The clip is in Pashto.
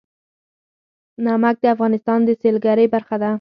نمک د افغانستان د سیلګرۍ برخه ده.